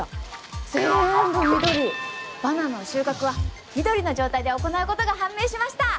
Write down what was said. バナナの収穫は緑の状態で行うことが判明しました！